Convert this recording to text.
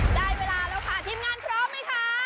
ได้เวลาแล้วค่ะทีมงานพร้อมไหมคะ